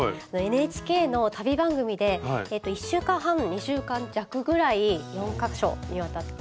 ＮＨＫの旅番組で１週間半２週間弱ぐらい４か所にわたって。